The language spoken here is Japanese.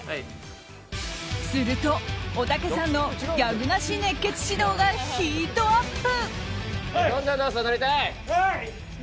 すると、おたけさんのギャグなし熱血指導がヒートアップ！